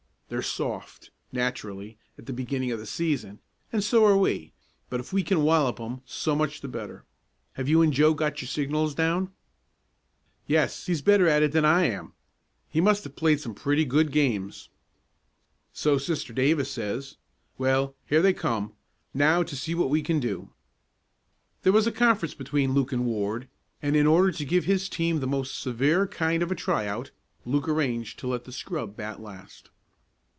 They're soft, naturally at the beginning of the season, and so are we, but if we can wallop 'em, so much the better. Have you and Joe got your signals down?" "Yes, he's better at that than I am. He must have played some pretty good games." "So Sister Davis says. Well, here they come. Now to see what we can do?" There was a conference between Luke and Ward, and in order to give his team the most severe kind of a try out, Luke arranged to let the scrub bat last.